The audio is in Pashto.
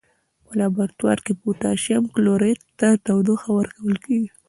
په لابراتوار کې پوتاشیم کلوریت ته تودوخه ورکول کیږي.